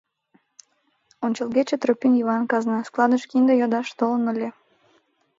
— Ончылгече Тропин Йыван казна складыш кинде йодаш толын ыле.